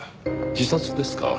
自殺ですか。